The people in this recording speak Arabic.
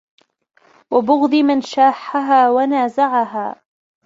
وَبُغْضِ مَنْ شَاحَّهَا وَنَازَعَهَا